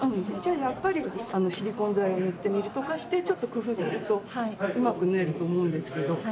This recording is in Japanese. じゃあやっぱりシリコン剤を塗ってみるとかしてちょっと工夫するとうまく縫えると思うんですけど。